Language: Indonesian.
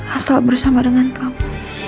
asal bersama dengan kamu